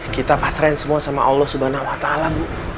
kita pasrain semua sama allah swt bu